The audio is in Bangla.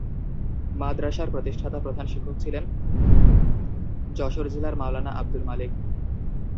মাদ্রাসার প্রতিষ্ঠাতা প্রধান শিক্ষক ছিলেন যশোর জেলার মাওলানা আব্দুল মালেক।